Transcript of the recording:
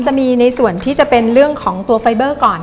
จะมีในส่วนที่จะเป็นเรื่องของตัวไฟเบอร์ก่อน